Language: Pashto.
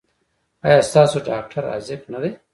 ایا ستاسو ډاکټر حاذق نه دی؟